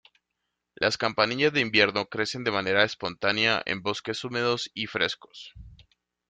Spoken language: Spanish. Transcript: Las "campanillas de invierno" crecen de manera espontánea en bosques húmedos y frescos.